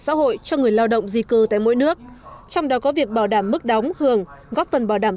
xã hội cho người lao động di cư tại mỗi nước trong đó có việc bảo đảm mức đóng hưởng góp phần bảo đảm